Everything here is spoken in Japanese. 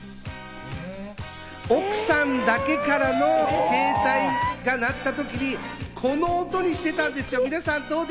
奥さんだけからの携帯が鳴った時にこの音にしてたんですよね。